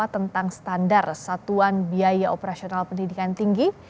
tentang standar satuan biaya operasional pendidikan tinggi